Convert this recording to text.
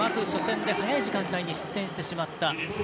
初戦で早い時間帯で失点してしまった。